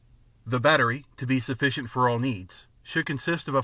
The battery, to be sufficient for all needs, should consist of a